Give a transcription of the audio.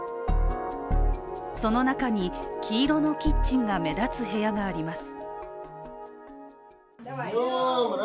その中に黄色のキッチンが目立つ部屋があります。